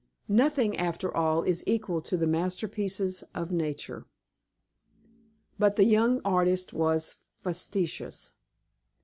Nothing, after all, is equal to the masterpieces of Nature." But the young artist was fastidious.